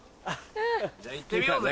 じゃあ行ってみようぜ。